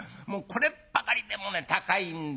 これっぱかりでもね高いんだよ。